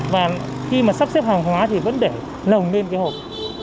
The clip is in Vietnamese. và khi mà sắp xếp hàng hóa thì vẫn để lồng lên cái hộp